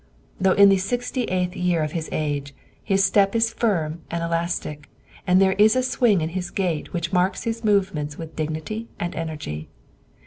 Though in the sixty eighth year of his age, his step is firm and elastic; and there is a swing in his gait which marks his movements with dignity and energy.